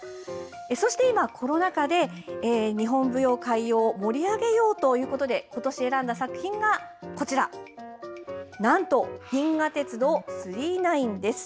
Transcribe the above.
そして今、コロナ禍で日本舞踊界を盛り上げようと今年選んだ作品がなんと「銀河鉄道９９９」です。